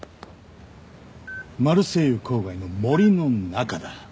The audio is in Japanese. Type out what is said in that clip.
マルセイユ郊外の森の中だ。